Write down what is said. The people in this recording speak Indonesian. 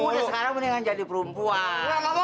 semuanya sekarang mendingan jadi perempuan